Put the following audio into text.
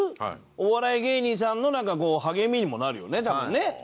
お笑い芸人さんのなんかこう励みにもなるよね多分ね。